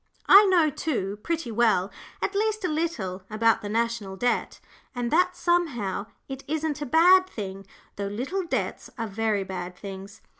I know, too, pretty well at least a little about the National Debt, and that somehow it isn't a bad thing, though little debts are very bad things.